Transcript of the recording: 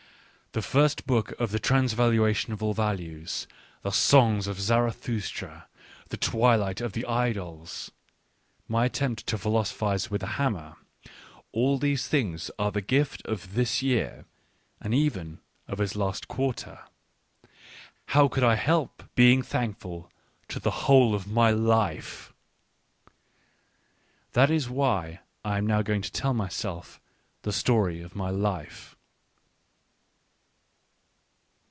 The first book of the Transvaluation of all Values^ The Songs of Zarathustra, The Twilight of the Idols, ji w attempts to philosophise with the hammer — all these things are the gift of this year, and even of its last quarter. How could I help being thankful to the whole of my life? That is why I am now going to tell myself the story of my life.